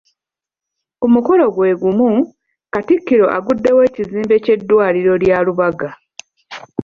Ku mukolo gwe gumu, Katikkiro agguddewo ekizimbe ky'eddwaliro lya Lubaga.